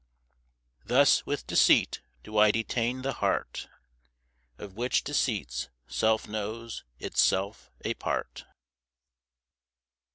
Thus with deceit do I detain the heart Of which deceit's self knows itself a part.